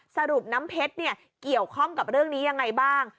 สรุปน้ำเพชรเกี่ยวข้องกับเรื่องนี้ยังไงบ้าง